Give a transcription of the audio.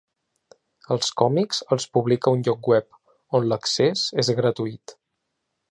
Els còmics els publica a un lloc web, on l'accés és gratuït.